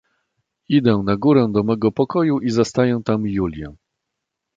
"Idę na górę do mego pokoju i zastaję tam Julię."